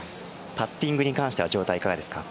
パッティングに関しては状態はいかがですか？